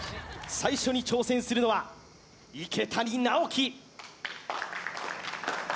最初に挑戦するのは池谷直樹